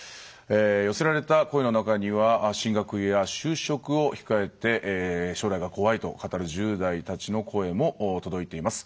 寄せられた声の中には進学や就職を控えて将来が怖いと語る１０代たちの声も届いています。